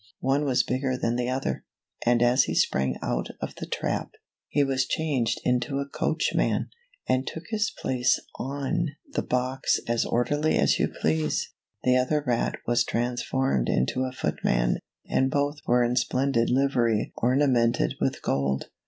One was bigger than the other, and as he sprang out of the trap, he was changed into a coachman, and took his place on 27 CINDERELLA, OR THE LITTLE GLASS SLIPPER. the box as orderly as you please. The other rat was trans formed into a footman, and both were in splendid livery ornamented with gold.